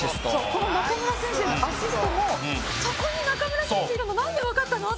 この中村選手へのアシストもそこに中村選手いるのなんでわかったの？って。